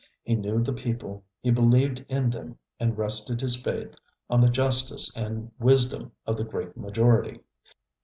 He knew the people; he believed in them and rested his faith on the justice and wisdom of the great majority.